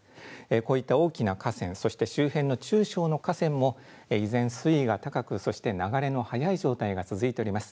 こういった大きな河川、そして周辺の中小の河川も依然水位が高く、そして流れの速い状態が続いております。